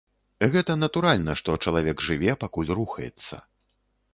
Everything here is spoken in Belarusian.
Гэта натуральна, што чалавек жыве, пакуль рухаецца.